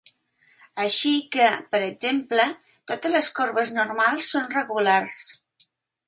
Així que, per exemple, totes les corbes normals són regulars.